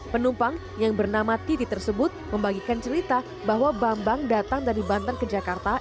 penumpang yang bernama titi tersebut membagikan cerita bahwa bambang datang dari banten ke jakarta